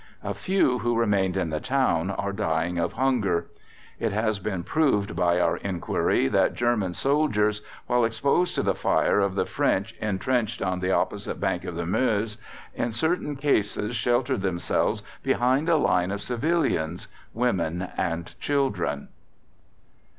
A few who remained in the town are dying of hunger. It has been proved by our Enquiry that German soldiers, while exposed to the fire of the French entrenched on the opposite bank of the Meuse, in certain cases sheltered themselves behind a line of civilians, women and children.